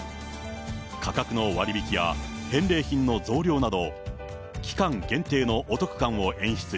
価格の割引や返礼品の増量など、期間限定のお得感を演出。